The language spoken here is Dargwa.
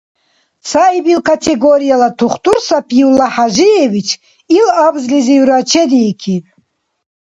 Цаибил категорияла тухтур Сапигуллагь Хӏяжиевич ил абзлизивра чедиикиб.